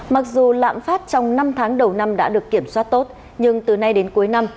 mặc dù lạm phát trong năm tháng đầu năm đã được kiểm soát tốt nhưng từ nay đến cuối năm